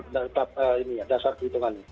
jumlah kamar ini ya dasar perhitungannya